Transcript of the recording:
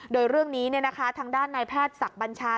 โดยเรื่องนี้ทางด้านนายแพทย์ศักดิ์บัญชา